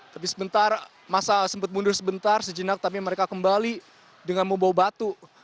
tapi sebentar masa sempat mundur sebentar sejenak tapi mereka kembali dengan membawa batu